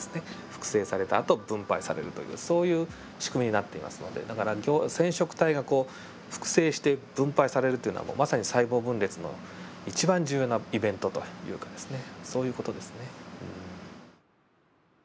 複製されたあと分配されるというそういう仕組みになっていますのでだから染色体がこう複製して分配されるっていうのはまさに細胞分裂の一番重要なイベントというかですねそういう事ですね。